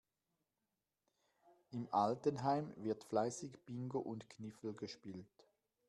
Im Altenheim wird fleißig Bingo und Kniffel gespielt.